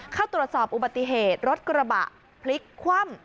เข้าตรวจสอบอุบัติเหตุรถกระบะพลิกคว่ำ